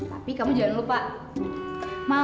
tapi kamu jangan lupa kak fre